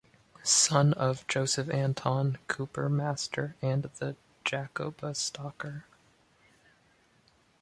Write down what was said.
Son of Joseph Anton, cooper master, and the Jakobea Stocker.